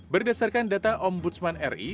berdasarkan data ombudsman ri